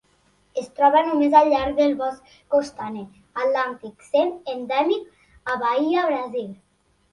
Es troba només al llarg del bosc costaner atlàntic, sent endèmic a Bahia, Brasil.